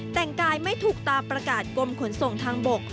แต่งกายไม่ถูกตามประกาศกรมขนส่งทางบก